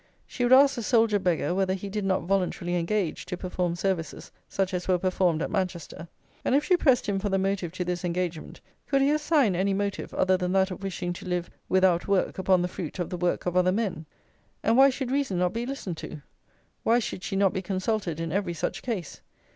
She would ask the soldier beggar whether he did not voluntarily engage to perform services such as were performed at Manchester; and if she pressed him for the motive to this engagement, could he assign any motive other than that of wishing to live without work upon the fruit of the work of other men? And why should reason not be listened to? Why should she not be consulted in every such case?